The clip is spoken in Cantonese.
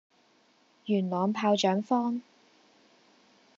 元朗炮仗坊